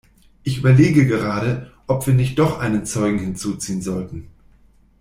Ich überlege gerade, ob wir nicht doch einen Zeugen hinzuziehen sollten.